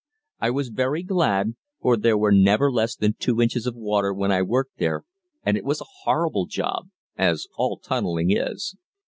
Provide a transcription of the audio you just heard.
I was very glad, for there were never less than two inches of water when I worked there, and it was a horrible job, as all tunneling is.